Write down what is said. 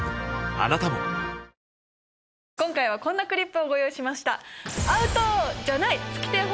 あなたも今回はこんなクリップをご用意しました。